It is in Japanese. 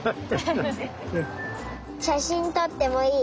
しゃしんとってもいい？